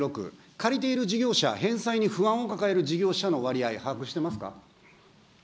借りている事業者、返済に不安を抱える事業者の割合、把握してますか。